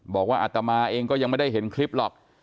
อัตมาเองก็ยังไม่ได้เห็นคลิปหรอก